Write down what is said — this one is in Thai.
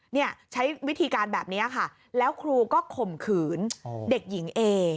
เนี่ยใช้วิธีการแบบนี้ค่ะแล้วครูก็ข่มขืนเด็กหญิงเอ